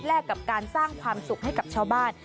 กับการสร้างความสุขให้กับชาวบ้าน